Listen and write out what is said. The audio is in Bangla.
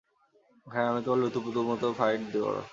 হ্যাঁ, তুমি তোমার লুতুপুতু খেলার মতোই ফাইট করো।